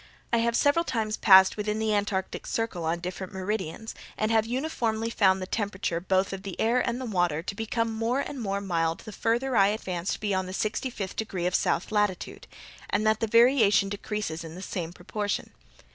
I have several times passed within the Antarctic circle, on different meridians, and have uniformly found the temperature, both of the air and the water, to become more and more mild the farther I advanced beyond the sixty fifth degree of south latitude, and that the variation decreases in the same proportion.